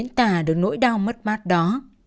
không thể đừng nỗi đau mất mát đó